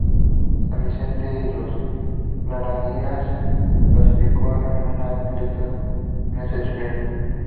San Vicente y las Granadinas clasificó a un atleta en esta disciplina.